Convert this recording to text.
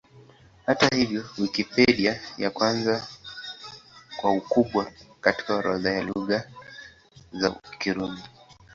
Hata hivyo, ni Wikipedia ya kwanza kwa ukubwa katika orodha ya Lugha za Kirumi.